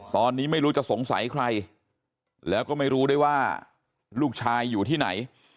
ตอนนี้ไม่รู้จะสงสัยใครแล้วก็ไม่รู้ได้ว่าลูกชายอยู่ที่ไหน